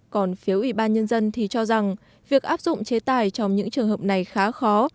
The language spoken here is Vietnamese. còn phiếu ủy ban nhân dân thì cho rằng việc áp dụng chế tài trong những trường hợp này khá khó